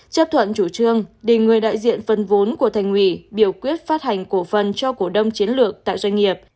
chấp thuận chủ trương để người đại diện phân vốn của thành quỷ biểu quyết phát hành cổ phân cho cổ đông chiến lược tại doanh nghiệp